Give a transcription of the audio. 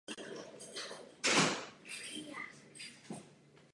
Vystudoval právo na Lvovské univerzitě a na Vídeňské univerzitě.